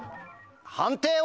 判定は？